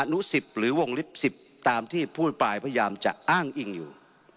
อนุ๑๐หรือวงฤทธิ์๑๐ตามที่ผู้อภิปายพยามจะอ้างอิ่งอยู่